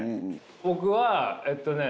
僕はえっとね